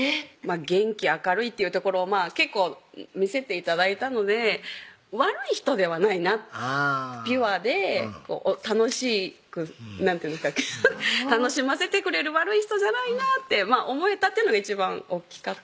元気・明るいっていうところを結構見せて頂いたので悪い人ではないなピュアで楽しく何て言うんでしたっけ楽しませてくれる悪い人じゃないなって思えたっていうのが一番大っきかった